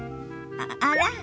あら？